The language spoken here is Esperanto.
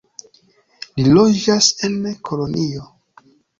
Li loĝas en Kolonjo.